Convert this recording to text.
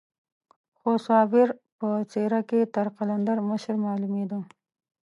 خو صابر په څېره کې تر قلندر مشر معلومېده.